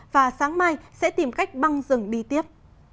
và sáng mai sẽ tìm cách băng rừng đi tiếp